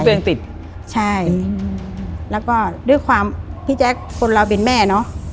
เพื่อนติดใช่แล้วก็ด้วยความพี่แจ๊คคนเราเป็นแม่เนอะ